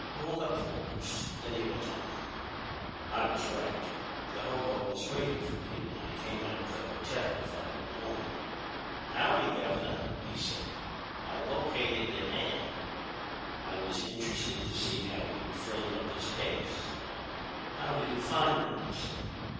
Walker paused. Then he went on: "I was right. The hobo was waiting for me when I came out of the hotel the following morning. "'Howdy, Governor,' he said; 'I located your man.' "I was interested to see how he would frame up his case. "'How did you find him?' I said.